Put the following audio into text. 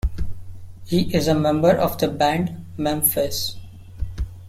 He is a member of the band Memphis.